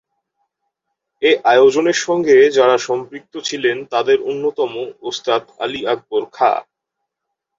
এ আয়োজনের সঙ্গে যাঁরা সম্পৃক্ত ছিলেন তাদের অন্যতম ওস্তাদ আলী আকবর খাঁ।